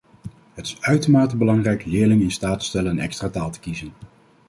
Het is uitermate belangrijk leerlingen in staat te stellen een extra taal te kiezen.